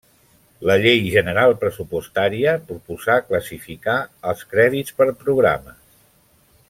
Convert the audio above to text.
La Llei General Pressupostària proposà classificar els crèdits per programes.